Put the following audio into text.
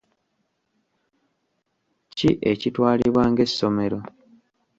Ki ekitwalibwa ng'essomero?